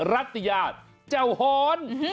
รัฐยาเจ้าหอน